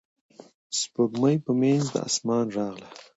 سپوږمۍ په منځ د اسمان راغله.